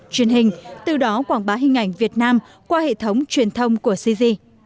truyền hình từ đó quảng bá hình ảnh việt nam qua hệ thống truyền thông của cz